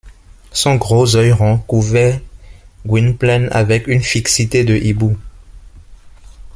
Son gros œil rond couvait Gwynplaine avec une fixité de hibou.